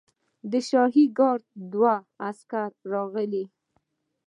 د شاهي ګارډ دوه عسکر راغلل.